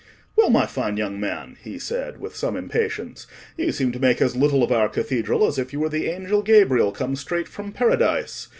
"Well, my fine young man," he said, with some impatience, "you seem to make as little of our Cathedral as if you were the Angel Gabriel come straight from Paradise.